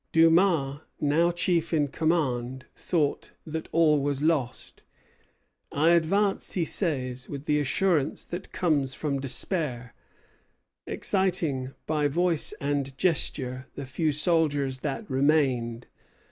Dumas, now chief in command, thought that all was lost. "I advanced," he says, "with the assurance that comes from despair, exciting by voice and gesture the few soldiers that remained.